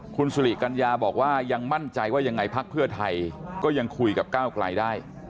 คุณสุริกัญญาบอกว่ายังมั่นใจว่ายังไงพักเพื่อไทยก็ยังคุยกับก้าวไกลได้